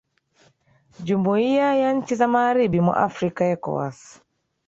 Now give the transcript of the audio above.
jumuiya ya nchi za magharibi mwa afrika ecowas